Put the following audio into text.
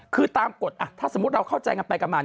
คือตามกฎถ้าสมมุติเราเข้าใจกันไปกันมา